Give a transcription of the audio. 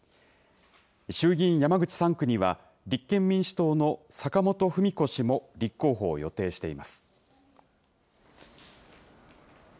衆議院山口３区には、立憲民主党の坂本史子氏も立候補を予定しています。